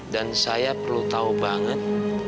dan saya perlu tau banget